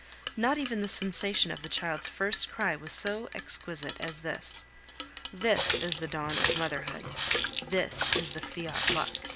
Not even the sensation of the child's first cry was so exquisite as this. This is the dawn of motherhood, this is the Fiat lux!